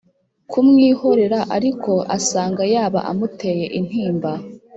kumwihorera ariko asanga yaba amuteye intimba